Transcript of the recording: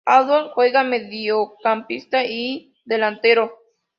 Abbott juega mediocampista y delantero.